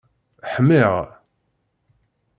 Ḥmiɣ.